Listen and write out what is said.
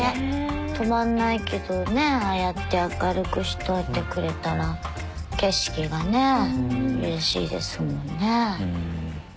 止まんないけど佑ああやって明るくしといてくれたら平Гうれしいですもんね。